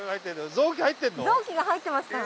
臓器が入ってますから。